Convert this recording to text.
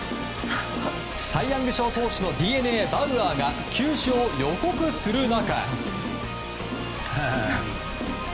サイ・ヤング賞投手のＤｅＮＡ、バウアーが球種を予告する中。